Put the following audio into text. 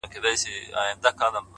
مثبت ذهن د بدلون هرکلی کوي.!